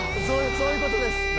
そういう事です。